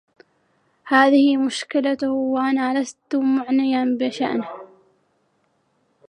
هذه مشكلته و أنا لست معنيا بشأنه.